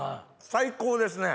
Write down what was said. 最高ですね。